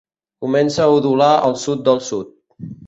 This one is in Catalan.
Comença a udolar al sud del sud.